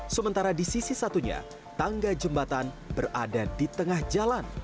sementara di sisi satunya tangga jembatan berada di tengah jalan